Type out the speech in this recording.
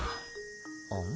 あん？